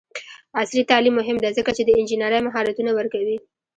عصري تعلیم مهم دی ځکه چې د انجینرۍ مهارتونه ورکوي.